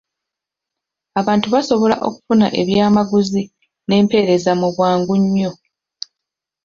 Abantu basobola okufuna ebyamaguzi n'empereza mu bwangu nnyo.